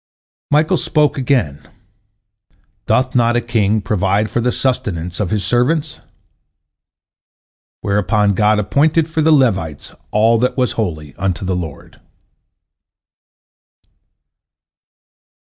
Michael spoke again, "Doth not a king provide for the sustenance of his servants?" whereupon God appointed for the Levites all that was holy unto the Lord.